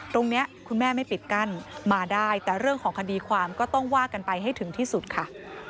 คุณแม่ไม่ปิดกั้นมาได้แต่เรื่องของคดีความก็ต้องว่ากันไปให้ถึงที่สุดค่ะ